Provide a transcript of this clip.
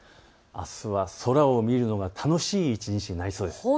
あすは空を見るのが楽しい一日になりそうです。